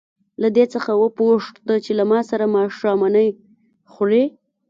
له دې څخه وپوښته چې له ما سره ماښامنۍ خوري.